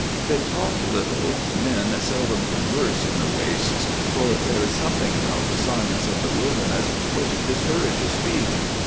They talked little; men seldom converse in the wastes, for there is something about the silence of the wilderness which discourages speech.